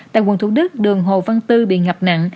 tại quận thủ đức đường hồ văn tư bị ngập nặng